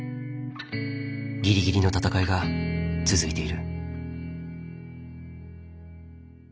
ギリギリの闘いが続いている。